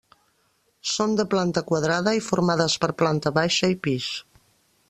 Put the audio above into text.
Són de planta quadrada i formades per planta baixa i pis.